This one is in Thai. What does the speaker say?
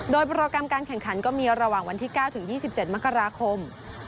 โดยโปรแกรมการแข่งขันก็มีระหว่างวันที่๙ถึง๒๗มกราคม